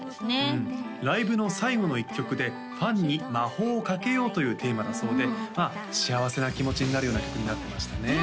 うんライブの最後の１曲で「ファンに魔法をかけよう」というテーマだそうでまあ幸せな気持ちになるような曲になってましたね